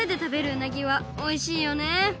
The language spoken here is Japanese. うなぎはおいしいよね。